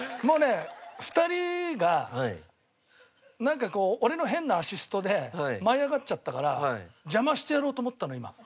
もうね２人がなんかこう俺の変なアシストで舞い上がっちゃったから邪魔してやろうと思ったの今。